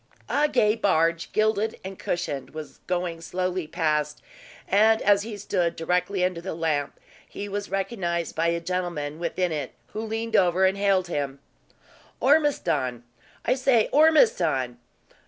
A gay barge, gilded and cushioned, was going slowly past; and as he stood directly under the lamp, he was recognized by a gentleman within it, who leaned over and hailed him, "Ormiston! I say, Ormiston!"